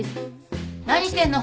何してんの？